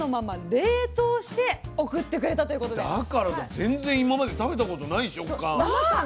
全然今まで食べたことない食感。